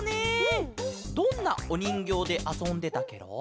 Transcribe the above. どんなおにんぎょうであそんでたケロ？